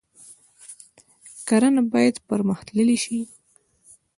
کرنه باید پرمختللې شي